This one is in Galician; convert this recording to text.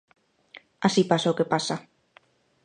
Así pasa o que pasa.